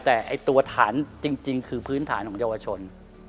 แต่ตัวฐานจริงคือพื้นฐานของเยาวชน